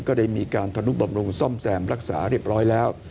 ก็ได้มีการพนุบำรุงซ่อมแซมรักษาเรียบร้อยแล้ว